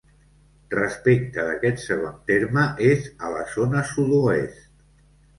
Respecte d'aquest segon terme, és a la zona sud-oest.